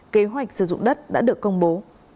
kế hoạch sử dụng đất đã được công bố